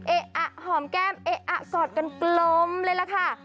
เอ๊ะอะหอมแก้มเอ๊ะอะสอดกันกลมเลยล่ะค่ะ